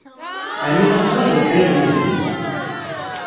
Ɛni la tettṛajud kra n yinebgi?